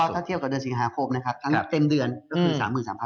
ถ้าเทียบกับเดือนสิงหาคมนะครับทั้งเต็มเดือนก็คือ๓๓๐๐